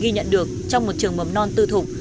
ghi nhận được trong một trường mầm non tư thục